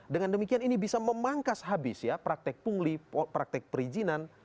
dengan demikian ini bisa memangkas habis ya praktek pungli praktek perizinan